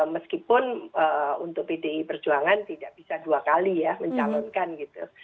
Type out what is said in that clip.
meskipun untuk pdi perjuangan tidak bisa dua kali ya mencalonkan gitu